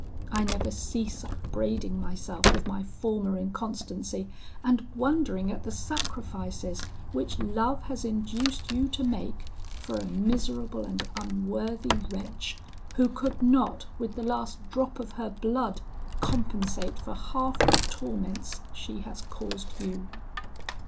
I never cease upbraiding myself with my former inconstancy, and wondering at the sacrifices which love has induced you to make for a miserable and unworthy wretch, who could not, with the last drop of her blood, compensate for half the torments she has caused you.'